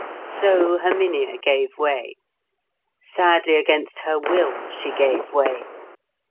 So Herminia gave way. Sadly against her will she gave way.